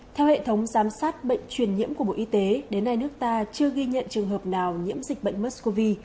theo hệ thống giám sát bệnh truyền nhiễm của bộ y tế đến nay nước ta chưa ghi nhận trường hợp nào nhiễm dịch bệnh mexcov